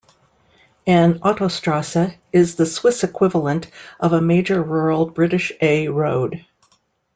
An "Autostrasse" is the Swiss equivalent of a major rural British "A" road.